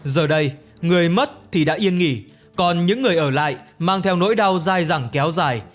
giờ đây người mất thì đã yên nghỉ còn những người ở lại mang theo nỗi đau dai dẳng kéo dài